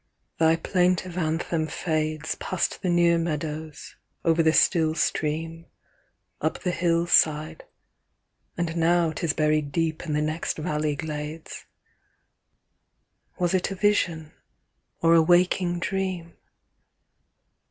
thy plaintive anthem fadesPast the near meadows, over the still stream, Up the hill side; and now 'tis buried deepIn the next valley glades:Was it a vision, or a waking dream?